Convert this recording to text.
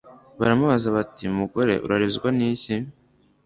Baramubaza bati: "Mugore urarizwa ni iki?"